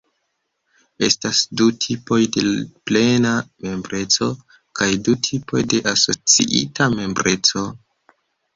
Estas du tipoj de plena membreco kaj du tipoj de asociita membreco.